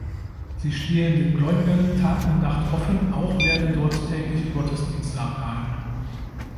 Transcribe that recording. Sie stehen den Gläubigen Tag und Nacht offen, auch werden dort tägliche Gottesdienste abgehalten.